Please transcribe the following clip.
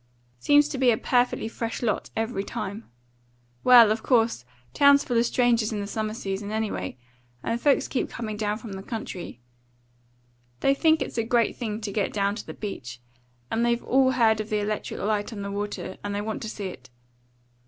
Seems to be a perfectly fresh lot every time. Well, of course! Town's full of strangers in the summer season, anyway, and folks keep coming down from the country. They think it's a great thing to get down to the beach, and they've all heard of the electric light on the water, and they want to see it.